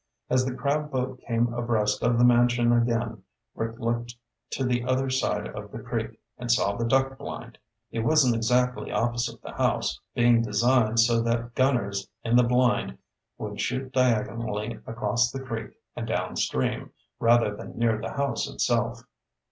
As the crab boat came abreast of the mansion again, Rick looked to the other side of the creek and saw the duck blind. It wasn't exactly opposite the house, being designed so that gunners in the blind would shoot diagonally across the creek and downstream, rather than near the house itself.